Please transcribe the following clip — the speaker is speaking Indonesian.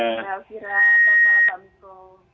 selamat malam mbak elvira selamat malam pak miko